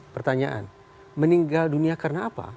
pertanyaan meninggal dunia karena apa